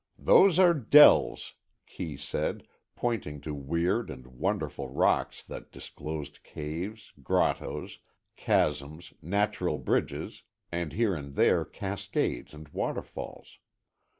"Those are dells," Kee said, pointing to weird and wonderful rocks that disclosed caves, grottoes, chasms, natural bridges and here and there cascades and waterfalls.